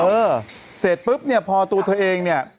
เออเสร็จปุ๊บเนี่ยพอตัวเธอเองเนี่ย